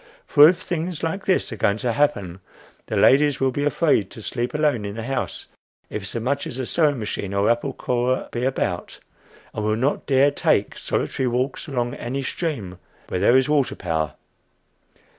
For if things like this are going to happen, the ladies will be afraid to sleep alone in the house if so much as a sewing machine or apple corer be about, and will not dare take solitary walks along any stream where there is a water power.